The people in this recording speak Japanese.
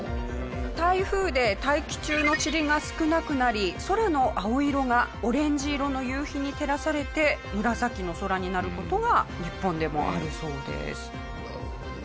台風で大気中のチリが少なくなり空の青色がオレンジ色の夕日に照らされて紫の空になる事が日本でもあるそうです。